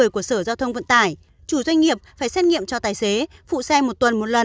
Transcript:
một mươi hai một mươi của sở giao thông vận tải chủ doanh nghiệp phải xét nghiệm cho tài xế phụ xe một tuần một lần